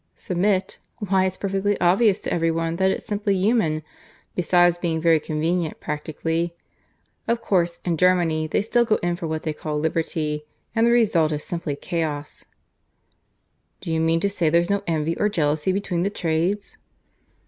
"Submit! Why it's perfectly obvious to every one that it's simply human besides being very convenient practically. Of course in Germany they still go in for what they call Liberty; and the result is simple chaos." "Do you mean to say there's no envy or jealousy between the trades?"